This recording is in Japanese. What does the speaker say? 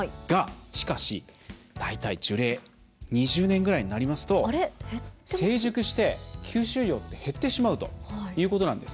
しかし、大体樹齢２０年ぐらいになりますと成熟して吸収量が減ってしまうということなんです。